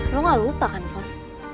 lu gak lupa kan fon